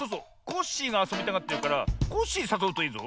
コッシーがあそびたがってるからコッシーさそうといいぞ。